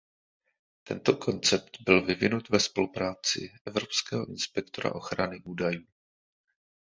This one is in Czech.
Tento koncept byl vyvinut ve spolupráci s Evropského inspektora ochrany údajů.